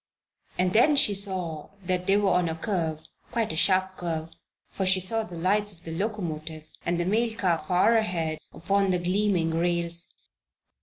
And then she saw that they were on a curve quite a sharp curve, for she saw the lights of the locomotive and the mail car far ahead upon the gleaming rails.